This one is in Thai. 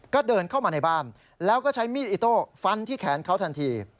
ก็เดินเข้ามาในบ้านแล้วก็ใช้มีดอิโต้ฟันที่แขนเขาทันที